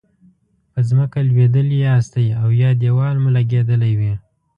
په ځمکه لویدلي یاستئ او یا دیوال مو لګیدلی وي.